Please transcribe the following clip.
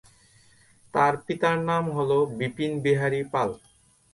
তার পিতার নাম হলো বিপিন বিহারি পাল।